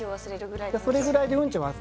それぐらいでうんちを忘れる。